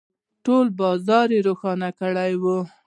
، ټول بازار يې روښانه کړی و.